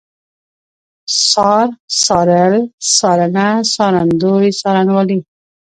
څار، څارل، څارنه، څارندوی، څارنوالي